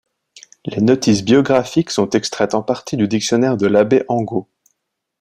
Les notices biographiques sont extraites en partie du dictionnaire de l'Abbé Angot.